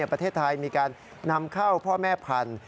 ประเทศไทยมีการนำเข้าพ่อแม่พันธุ